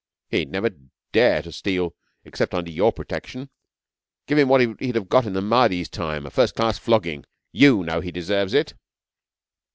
'He'd never dare to steal except under your protection. Give him what he'd have got in the Mahdi's time a first class flogging. You know he deserves it!'